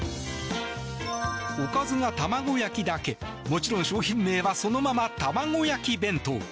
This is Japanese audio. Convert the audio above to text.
おかずが玉子焼きだけもちろん商品名はそのまま玉子焼弁当。